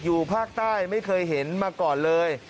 อยู่ภาคใต้ไม่เคยเห็นมาก่อนเลย